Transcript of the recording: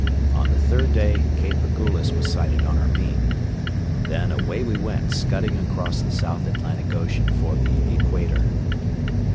On the third day Cape Agullas was sighted on our beam. Then, away we went scudding across the South Atlantic Ocean for the equator.